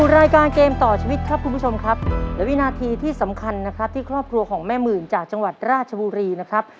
และวินาทีที่สำคัญนะครับที่ครอบครัวของแม่มืนจากจังหวัดราชบุรีนะครับ